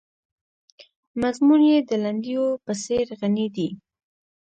مضمون یې د لنډیو په څېر غني دی.